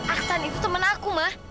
aksan itu temen aku ma